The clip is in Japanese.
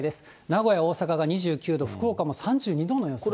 名古屋、大阪が２９度、福岡も３２度の予想。